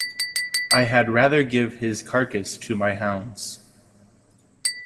I had rather give his carcass to my hounds.